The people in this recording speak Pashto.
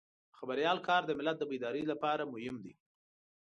د خبریال کار د ملت د بیدارۍ لپاره مهم دی.